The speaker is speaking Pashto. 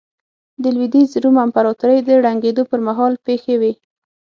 د لوېدیځ روم امپراتورۍ د ړنګېدو پرمهال پېښې وې